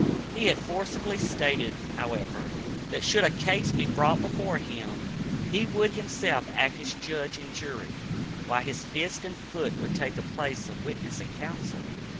He had forcibly stated, however, that should a case be brought before him, he would himself act as judge and jury, while his fist and foot would take the place of witness and counsel.